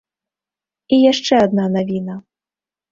І яшчэ адна навіна!